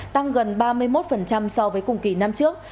tăng gần ba mươi một so với cùng kỳ năm trước